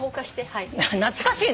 懐かしい。